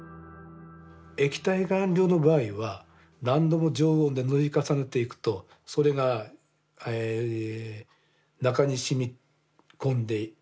液体顔料の場合は何度も常温で塗り重ねていくとそれが中に染み込んでいく。